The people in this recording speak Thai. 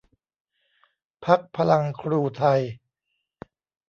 พรรคพลังครูไทย